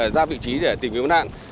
ra vị trí để tìm cứu nạn